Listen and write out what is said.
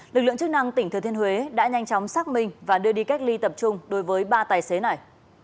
lực lượng chức năng tỉnh thừa thiên huế đã nhanh chóng xác minh và đưa đi cách ly tập trung đối với ba tài xế này